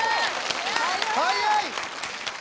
早い。